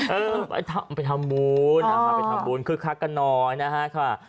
เออไปทำบุญคือคลักกะนอยนะฮะ